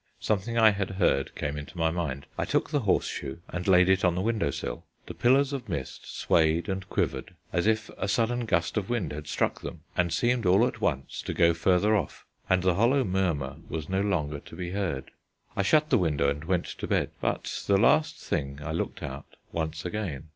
Something I had heard came into my mind. I took the horseshoe and laid it on the window sill. The pillars of mist swayed and quivered as if a sudden gust of wind had struck them, and seemed all at once to go farther off; and the hollow murmur was no longer to be heard. I shut the window and went to bed. But, the last thing, I looked out once again.